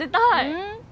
うん！？